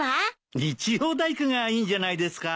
日曜大工がいいんじゃないですか？